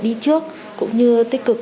đi trước cũng như tích cực